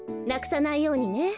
なくさないようにね。